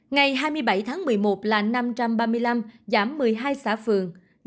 ngày hai mươi bảy tháng một mươi một là năm trăm ba mươi năm giảm một mươi hai xã phường